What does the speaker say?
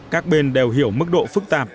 các bên đều hiểu mức độ phức tạp